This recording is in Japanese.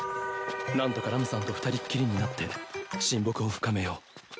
なんとかラムさんと２人っきりになって親睦を深めよう